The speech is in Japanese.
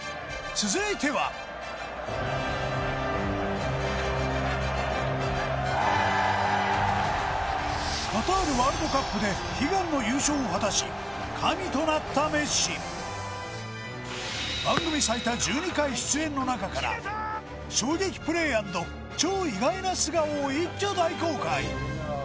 続いてはカタールワールドカップで悲願の優勝を果たし神となったメッシ番組最多１２回出演の中から衝撃プレー＆超意外な素顔を一挙大公開